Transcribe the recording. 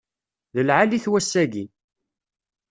D lɛali-t wass-aki.